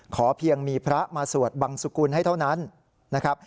ขอเพียงมีพระมาสวดบังสุกุลให้เท่านั้นนะครับ